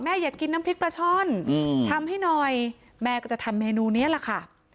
อยากกินน้ำพริกปลาช่อนทำให้หน่อยแม่ก็จะทำเมนูนี้แหละค่ะ